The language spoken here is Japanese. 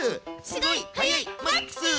すごい速いマックス！